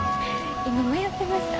今迷ってました？